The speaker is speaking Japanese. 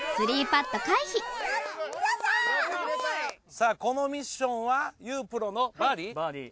さあこのミッションは有プロのバーディー？